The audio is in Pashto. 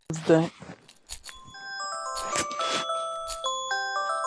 د کرکټ ټیم ولې مشهور شو؟